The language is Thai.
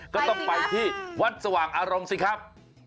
ก็ต้องไปที่วัดสว่างอารมณ์สิครับ